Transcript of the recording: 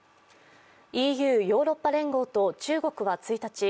ＥＵ＝ヨーロッパ連合と中国は１日